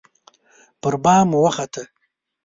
پربام وخته